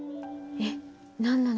えっ何なの！？